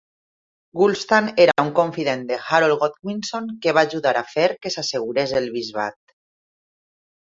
Wulfstan era un confident de Harold Godwinson, que va ajudar a fer que s'assegurés el bisbat.